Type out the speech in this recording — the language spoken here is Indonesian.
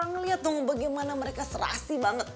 ngelihat dong bagaimana mereka serasi banget